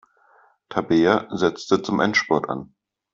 Tabea setzte zum Endspurt an.